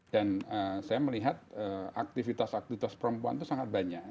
saya melihat aktivitas aktivitas perempuan itu sangat banyak